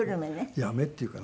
八女っていうかな。